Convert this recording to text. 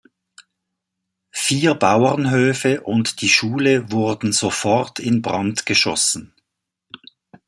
Vier Bauernhöfe und die Schule wurden sofort in Brand geschossen.